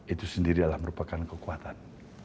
itu sendiri adalah merupakan kekuatan